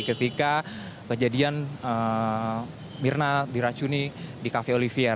ketika kejadian mirna diracuni di cafe olivier